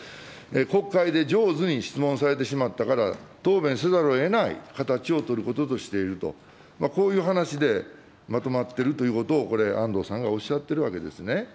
国会で上手に質問されてしまったから、答弁せざるをえない形を取ることとしていると、こういう話でまとまってるということを、これ、安藤さんがおっしゃってるわけですね。